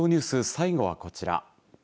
最後はこちら。